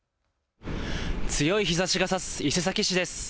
強い日ざしがさす伊勢崎市です。